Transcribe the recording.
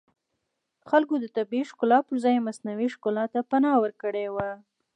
خلکو د طبیعي ښکلا پرځای مصنوعي ښکلا ته پناه وړې وه